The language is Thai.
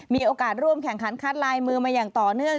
มีโอกาสร่วมแข่งขันคัดลายมือมาอย่างต่อเนื่อง